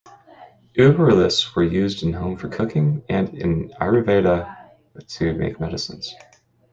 Urulis were used in home for cooking and in ayurvedha to make medicines.